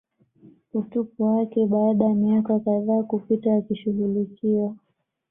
utupu wake baada ya miaka kadhaa kupita yakishughulikiwa